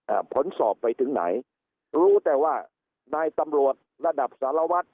อ่าผลสอบไปถึงไหนรู้แต่ว่านายตำรวจระดับสารวัตร